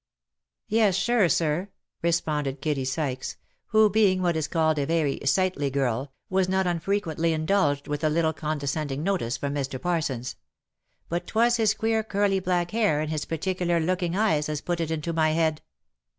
" Yes sure, sir," responded Kitty Sykes, who being what is called a very sightly girl, was not unfrequently indulged with a little conde scending notice from Mr. Parsons. " But 'twas his queer curly black hair, and his particular looking eyes as put it into my head."